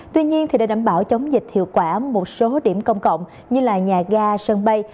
tuy nhiên để đảm bảo chống dịch hiệu quả một số điểm công cộng như nhà ga sân bay